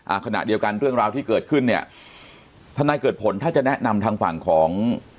ขณะเดียวกันเรื่องราวที่เกิดขึ้นเนี่ยทนายเกิดผลถ้าจะแนะนำทางฝั่งของ